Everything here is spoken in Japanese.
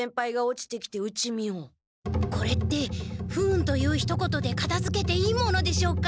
これって不運というひと言でかたづけていいものでしょうか？